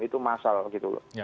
itu masalah gitu loh